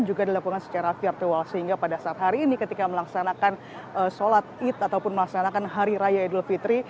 juga dilakukan secara virtual sehingga pada saat hari ini ketika melaksanakan sholat id ataupun melaksanakan hari raya idul fitri